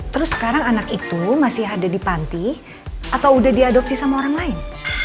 terus sekarang anak itu masih ada di panti atau udah diadopsi sama orang lain